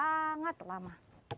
pembelajarannya sangat lama